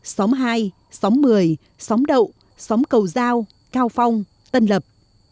xóm hai xóm một mươi xóm đậu xóm cầu giao cao phong tân lập